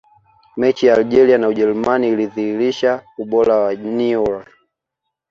mechi ya algeria na ujerumani ilidhihirisha ubora wa neuer